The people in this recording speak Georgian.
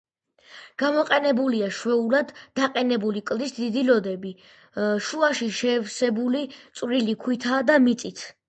გამოყენებულია შვეულად დაყენებული კლდის დიდი ლოდები, შუაში შევსებული წვრილი ქვითა და მიწით.